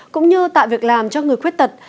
cũng như tạo việc làm cho người khuyết tật